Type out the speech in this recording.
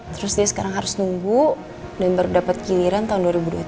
terus dia sekarang harus nunggu dan baru dapat giliran tahun dua ribu dua puluh tiga